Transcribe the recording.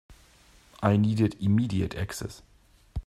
I needed immediate access.